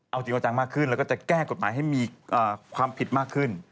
เอาจริงเอาจังมากขึ้นแล้วก็จะแก้กฎหมายให้มีความผิดมากขึ้น